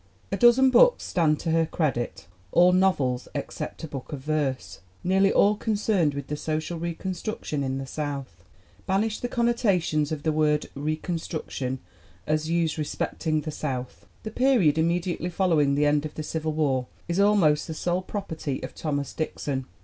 A dozen books stand to her credit, all novels except a book of verse, nearly all concerned with the social reconstruction in the South. Banish the connotations of the word "Reconstruction" as used respecting the South. The period immediately following the end of the civil war is almost the sole property of Thomas Dixon.